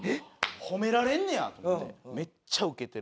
褒められんねやと思ってめっちゃウケてる。